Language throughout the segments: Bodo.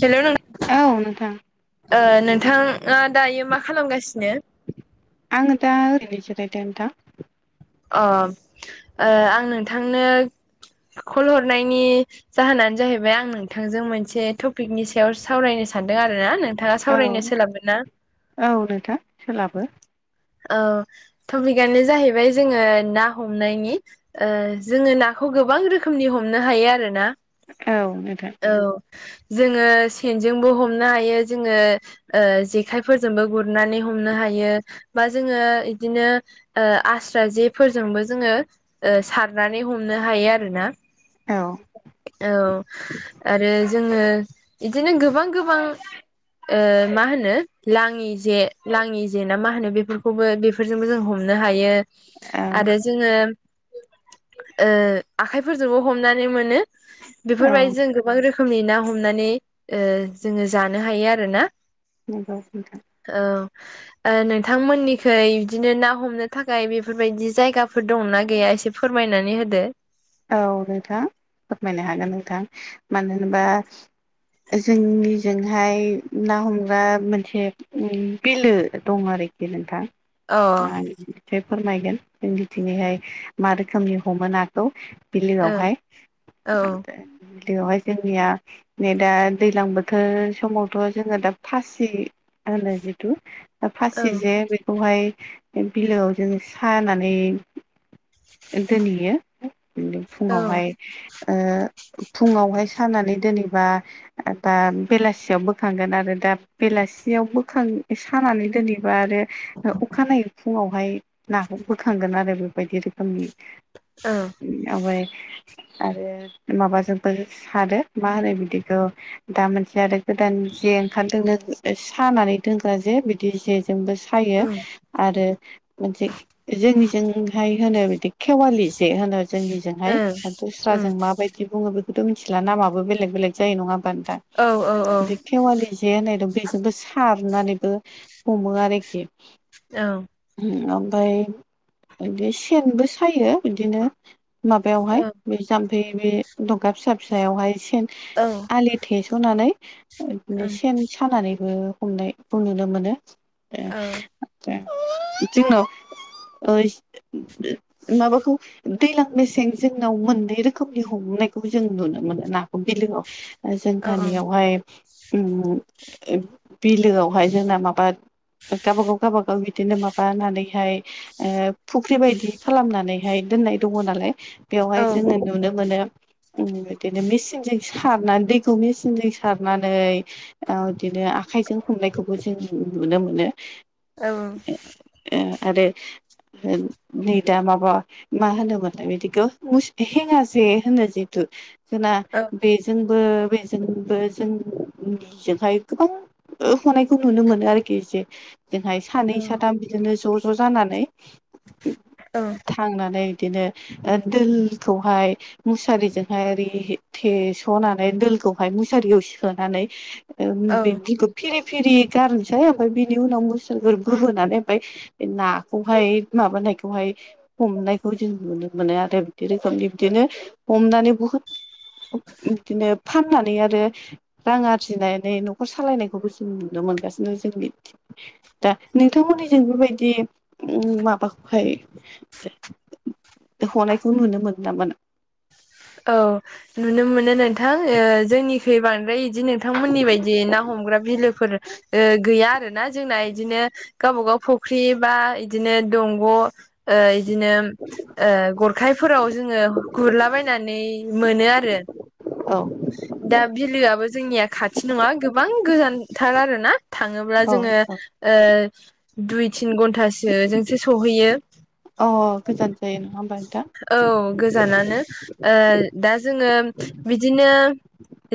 हेल' न औ नोंथां ओ नोंथाङा दायो मा खालामगासिनो? आङो दा ओरैनो जिरायदों नोंथां। अ आं नोंथांनो कल हरनायनि जाहोनानो जाहैबाय आं नोंथांजों मोनसे टपिकनि सायाव सावरायनो सानदों आरो ना नों औ औ नोंथां सोलाबो। औ टपिकआनो जाहैबाय जोङो ना हमनायनि जोङो नाखौ गोबां रोखोमनि हमनो हायो आरो ना औ नोंथां। औ जोङो सेनजोंबो हमनो हायो जोङो जेखायफोरजोंबो गुरनानै हमनो हायो। बा जोङो बिदिनो आस्रा जेफोरजोंबो जोङो सारनानै हमनो हायो आरो ना औ। औ आरो जोङो इदिनो गोबां गोबां ओ मा होनो लाङि जे लाङि जेना मा होनो बे बेफोरखौबो बेफोरजोंबो जों हमनो हायो औ आरो जोङो आखाइफोरजोंबो हमनानै मोनो। औ बेफोरबायदि जों गोबां रोखोमनि ना हमनानै जोङो जानो हायो आरो ना। नगौ नोंथां। औ ओ नों नोंथांमोननिखै बिदिनो ना हमनो थाखाय बेफोरबायदि जायगाफोर दंना गैया एसे फोरमायनानै होदो। औ नोंथां फोरमायनो हागोन नोंथां मानो होनबा जोंनिजोंहाय ना हमग्रा मोनसे बिलो दं आरोखि नोंथां अ आं फोरमायगोन जोंनिथिंहाय मा रोखोमनि हमो नाखौ। ओं बिलोआवहाय औ ओ बिलोआवहाय जोंनिया नै दा दैजलां बोथोर समावथ' जोङो दा फासि होनो जिथु औ फासि जे बे बेखौहाय बिलोआव जों सानानै दोनहैयो दिनो औ फुङावहाय ओ [inaudible] फुङावहाय सानानै दोनैबा दा बेलासियाव बोखांगोन आरो दा बेलासियाव बोखां सानानै दोनैबा आरो अखानायै फुङावहाय नाखौ बोखांगोन आरो बेबायदि रोखोमनि औ। आवगाय आरो माबाजोंबो सारो मा होनो बिदिखौ दा मोनसे आरो गोदान जे ओंखारदोंनो ओ सानानै दोनग्रा जे। बिदि दि जेजोंबो सायो ओं आरो मोनसे जोंनिजोंहाय होनो बिदि खेवालि जे होनो जोंनिजोंहाय ओं बा दस्राजों मा बायदि दि बुङो बेखौथ' मिथिला। नामाबो बेलेग बेलेग जायो नङा होमबा नोंथां? औ औ औ। थेवालि जे होननाय दं बेजोंबो सारनानैबो हमो आरोखि। औ। ओम ओमफाय इदि सेनबो सायो। बिदिनो माबायावहाय बे जाम्फै बे दगा फिसा फिसायावहाय सेन ओ आलि थेस'नानै ओ इदिनो सेन सानानैबो हमनायखौ नुनो मोनो। औ ए ए जोंनाव ओइस ओ माबाखौ दैलां मेसें जोंनाव मोननै रोखोमनि हमनायखौ जों नुनो मोनो नाखौ बिलोआव। औ औ जोंहानियावहाय उम ओ बिलोआवहाय जोंना माबा गाबागाव गाबागाव बिदिनो माबानानैहाय ओ फुख्रि बायदि खालामनानै हाय दोननाय दङ' नालाय बेवहाय जोङो नुनो मोनो उम इदिनो मिचिनजों सारनानै दैखौ मिचिनजों सारनानै औ इदिनो आखायजों हमनायखौबो जों नुनो मोनो। ओ ओ आरो ओ नै दा माबा मा होनोमोनलाय बिदिखौ मुस्थि हेङा जे होनो जेहेथु जोंना बेजों बो बेजोंबो जोंनिजोंहाय गोबां ओ हनायखौ नुनो मोनो आरोखि जे। जोंहा एसे सानै साथाम बिदिनो ज' ज' जानानै ओ थांनानै इदिनो ओ दोलखौहाय मुसारिजोंहाय ओरै थेस'नानै दोलखौहाय मुसारियाव सोनानै ओम औ बिब्दिखौ फिरि फिरि गारनोसै। ओमफाय बिनि उनाव मुस्रिगो गोरबोनानै ओमफाय बे नाखौहाय माबानायखौहाय हमनायखौ जों नुनो मोनो आरो बिदि रोखोमनि बिदिनो हमनानै बुहुद बिदिनो फाननानै आरो रां आरजिनानै न'खर सालायनायखौबो जों नुनो मोनगासिनो जोंनिथिं। दा नोंथांमोननि जों बेबायदि उम माबाखौहाय हनायखौ नुनो मोनो नामा नों औ नुनो मोनो नोंथां, ओ जोंनिखै बांद्राय दि नोंथांमोननि बायदि ना हमग्रा बिलोफोर गैया आरो ना जोंना इदिनो गावबागाव फुख्रि बा इदिनो दंग' ओ इदिनो ओ गरखायफोराव जोङो गुरलाबायायनानै मोनो आरो। औ। दा बिलोआबो जोंनिया खाथि नङा गोबां गोजानथार आरो ना। थाङोब्ला जोङो ओ दुइ तिन घन्टासो जोंसो सहैयो। अ गोजान जायो, नङा होनबा नोंथां? औ गोजानानो। ओ दा जोङो बि दिनो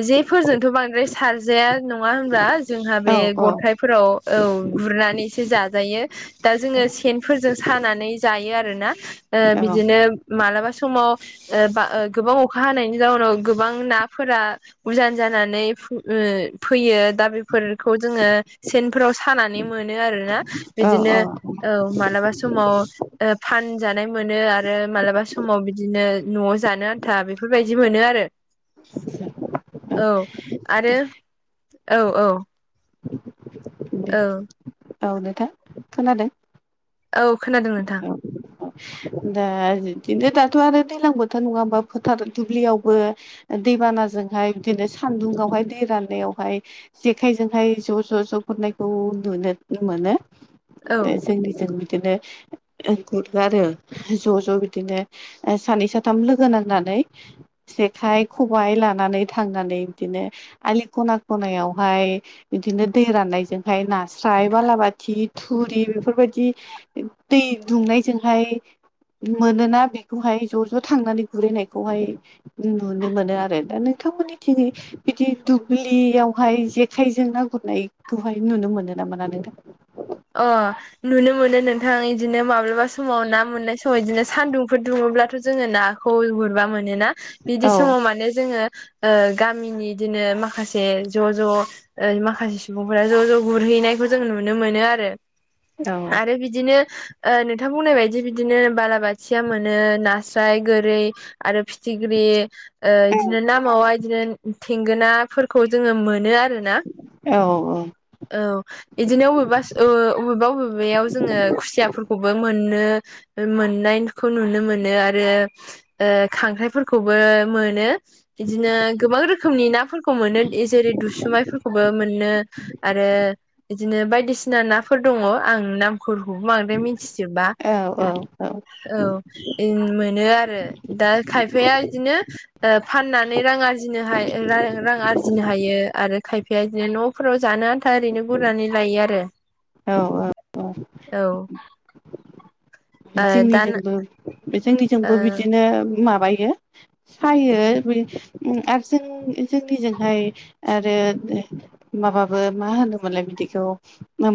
जेफोरजोंथ' बांद्राय सारजाया नङा होनबा? जोंहा बे औ औ गरखाय फोराव औ गुरनानैसो जाजायो। दा जोङो सेनफोरजों सानानै जायो आरोना। ओ बिदिनो मालाबा समाव ओ बा ओ गोबां अखा हानायनि जाउनाव गोबां नाफोरा उजान जानानै फो ओ फैयो दा बेफोरखौ जोङो सेनफोराव सानानै मोनो आरोना। औ औ बिदिनो औ मालाबा समाव ओ फानजानाय मोनो आरो मालाबा समाव बिदिनो न'आव जानो आन्था बेफोरबायदि मोनो आरो। [unintelligible] औ दे आरो औ औ। दे। औ। औ नोंथा खोनादों। औ खोनादों नोंथां। दा बिदिनो दाथ' आरो दैजलां बोथोर नङा होमा फोथार दुब्लियावबो दैबानाजोंहाय बिदिनो सान्दुङावहाय दै राननायावहाय जेखाय जोंहाय जेखाय ज' ज' ज' गुरनायखौ नुनो मोनो। बे औ जोंनिजों बिदिनो गुरो आरो ज' ज' बिदिनो सानै साथाम लोगो नांनानै। जेखाइ खबाइ लानानै थांनानै बिदिनो आलि खना खनायावहाय बिदिनो दै राननायजोंहाय नास्राय बालाबाथि थुरि बेफोरबायदि दै दुंनायजोंहाय मोनोना बेखौहाय ज' ज' थांनानै गुरहैनायखौहाय नुनो मोनो आरो दा नोंथांमोननिथिङै बिदि दुब्लियावहाय जेखाइजों ना गुरनायखौहाय नुनो मोनो ना मोना नोंथां? अ। नुनो मोनो नोंथां बिदिनो माब्लाबा समाव ना मोननाय समाव बिदिनो सान्दुंफोर दुङोब्लाथ' जोङो ना खौ गुरबा मोनोना बिदि औ समाव माने जोङो। ओ गामिनि बिदिनो माखासे ज' ज'। ओ माखासे सुबुंफोरा ज' ज' गुरहैनायखौ जों नुनो मोनो आरो औ आरो बि बिदिनो ओ नोंथां बुंनाय बादि बिदिनो बालाबाथिया मोनो नास्राय गोरै आरो फिथिग्रि ओ बिदिनो नामावा बिदिनो थेंगोनाफोरखौ जोङो मोनो आरो। औ औ। औ बिदिनो अबेबा अबेबा अबेबायाव जोङो खुसियाफोरखौबो मोनो। मोननायखौ नुनो मोनो आरो ओ खांख्राइफोरखौबो मोनो। बिदिनो गोबां रोखोमनि नाफोरखौ मोनो जेरै दुसुमायफोरखौबो मोनो। आरो बिदिनो बायदिसिना नाफोर दङ आं नाम फोरखौबो बांद्राय मिथिजोबबा औ औ औ इन मोनो आरो दा खायफाया बिदिनो ओ फाननानै रां आरजिनो हायो रां आरजिनो हायो आरो खाय बेबायदिनो न'फोराव जानो आन्था ओरैनो गुरनानै लायो आरो। औ औ औ दा जोंनिजोंबो बे जोंनिजोंबो बिदिनो माबायो। फायो बे आरो जों जोंनिजोंहाय आरो माबाबो मा होनोमोनलाय बिदिखौ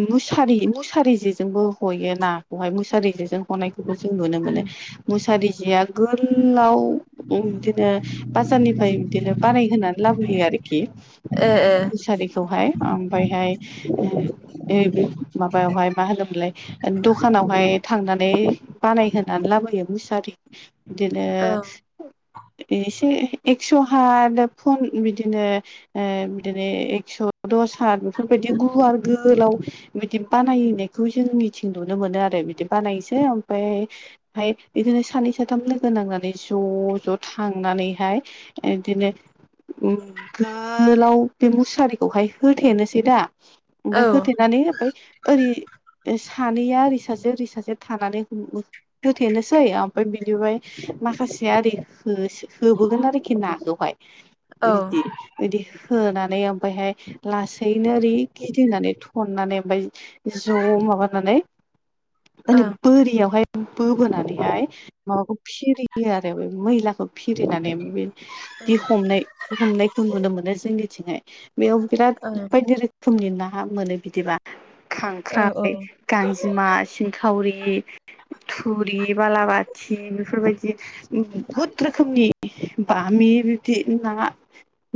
मुसारि मुसारि जेजोंबो हयो नाखौहाय मुसारि जेजों हनायखौ खौबो जों नुनो मोनो मुसारि जेया गोलाव ओम बिदिनो बाजारनिफ्राय बिदिनो बानायहोनानै लाबोयो आरोखि ए ए मुसारिखौहाय। ओमफ्रायहाय ए बे माबायावहाय मा होनोमोनलाय दखानावहाय थांना नै बानाय होनोनान लाबोयो मुसारि बिदिनो औ एसे एक्स' हाद फन बिदिनो ए बिदिनो एकस' दस हात बेफोरबायदि गुवार गोलाव बिदि बानायनायखौ जोंनिथिं नुनो मोनो आरो बिदि बानायसै ओमफ्राय ओमफ्राय बिदिनो सानै साथाम लोगो नांनानै ज' ज' थांनानैहाय इदिनो। उम गालाव बे मुसारिखौहाय होथेनोसै दा औ ओमफाय होथेनानै ओमफाय ओरै ओ सानैया ओरै सासे ओरै सासे थानानै हो ओ होथेनोसै ओमफाय बिनिफाय माखासेया ओरै होसो सोबोगोन आरोखि नाखौहाय औ बिदि बिदि होनानै ओमफायहाय लासैनो ओरै गिदिंनानै थननानै ओमफाय ज' माबानानै मा औ होनो बोरियावहाय बोबोनानैहाय माबाखौ फिरियो आरो बे मैलाखौ फिरिनानै बे दि हमनाय हमनायखौ नुनो मोनो जोंनिथिंहाय बेयाव बिराद औ बायदि रोख खोमनि ना हा मोनो बिदिबा औ खांख्राइ, औ गांजिमा, सिंखावरि इ थुरि बालाबाथि बेफोरबायदि बहुत रोखोमनि [unintelligible] बामि बिब्दि ना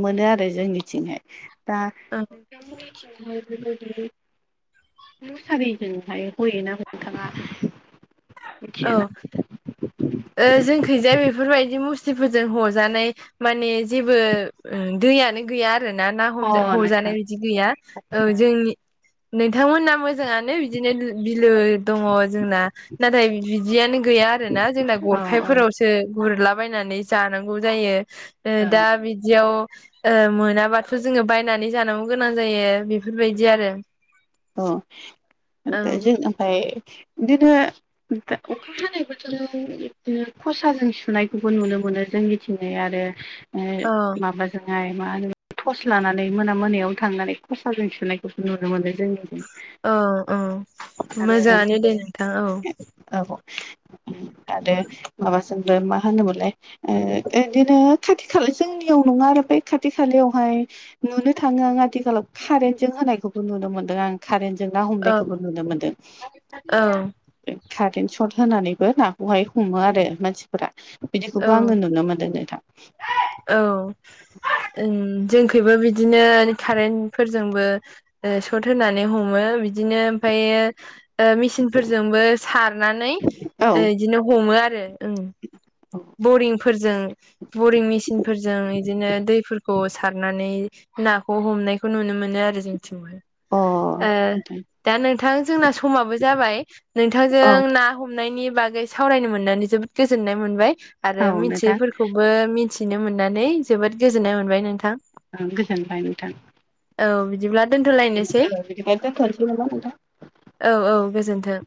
मोनो आरो जोंनिथिंहाय दा ओ नोंथांमोनखिंहाय बेफोर बादि अ सारिजोंहाय हयोना नोंथाङा औ मिथियोना ओ जोंखैजा बेफोरबायदि मुस्रिफोरजों हजानाय माने जेबो ओ दैयानो गैया आर रो ना ना अ हमजा नोंथां हजानाय बिदि गैया औ आदसा जोंनि नोंथांमोन्ना मोजाङानो बिदिनो नो बिलो दङ जोंना नाथाय बिदि दियानो गैया आरो ना जोंना औ औ गरखायफोरावसो गुरलाबायनानै जानांगौ जायो ओ अ दा बिदियाव ओ मोनाबाथ' जोङो बायनानै जानांगौ गोनां जायो बेफोरबायदि आरो अ ओ औ दा जों ओमफाय बिदिनो दा अखा हानाय बोथोराव जों बिदिनो खसाजों सुनायखौबो नुनो मोनो जोंनि थिनाय आरो ओ औ माबाज जोंहाय मा होनो थस लानानै मोना मोनायाव थांनानै खसाजों थुनायखौसो नुनो मोनो जोंनि औ औ आरो मोजाङानो दे नोंथां औ औ उम आरो माबासोंबो मा होनोमोनलाय ओ ओदैनो खाथि खाला जोंनियाव नङा आरो बे खाथि खालायावहाय नुनो थाङो आं आथिखालाव खारेन्टजों होनायखौबो नुनो मोन ओ आं खारेन्टजों ना औ हमनायखौबो नुनो मोनदों। औ ऐ खारेन्ट सर्ट होनानैबो नाखौहाय हमो आरो मानसि फोरा बिदिखौबो आङो नुनो मोनदों नोंथां ऐ औ [unintelligible] उम जोंखैबो बिदिनो खारेन्टफोरजोंबो ओ सट होनानै हमो बिदिनो ओमफायो ओ मेसिनफोरजोंबो सारनानै औ ओ इदिनो हमो आरो ओं बरिंफोरजों बरिं मेसिन फोरजों इदिनो दैफोरखौ सारनानै नाखौ हमनायखौ नुनो मोनो आरो जोंथिंबो अ ओ नोंथां दा नोंथां जोंना समाबो जाबाय नोंथांजों औ ना हमनायनि बागै सावरायनो मोननानै जोबोद गोजोननाय मोनबाय आरो औ नोंथां मिथियैफोरखौबो मिथ थिनो मोननानै जोबोद गोजोननाय मोनबाय नोंथां। ओं गोजोनबाय नोंथां। औ बिदिब्ला दोनथ'लायनोसै औ ओ बिदिबा दोनथ'नोसै नामा नोंथां? औ औ गोजोनथों।